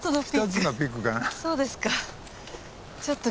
そうですか。